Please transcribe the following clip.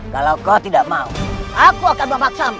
kalau kau tidak mau aku akan memaksamu